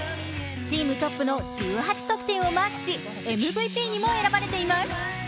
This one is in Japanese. チームトップの１８得点をマークし、ＭＶＰにも選ばれています。